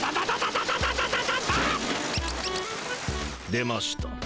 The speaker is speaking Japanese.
出ました。